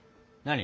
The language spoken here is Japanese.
何？